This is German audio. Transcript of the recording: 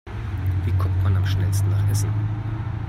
Wie kommt man am schnellsten nach Essen?